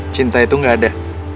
cinta itu nggak ada